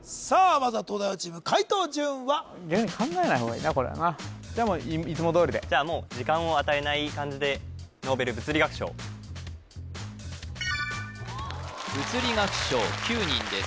まずは東大王チーム解答順は逆に考えない方がいいなこれはなじゃもういつもどおりでじゃもう時間を与えない感じでノーベル物理学賞９人です